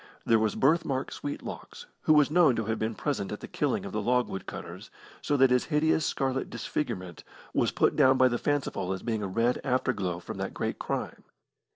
There was Birthmark Sweetlocks, who was known to have been present at the killing of the logwood cutters, so that his hideous scarlet disfigurement was put down by the fanciful as being a red afterglow from that great crime.